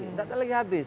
nggak ada lagi habis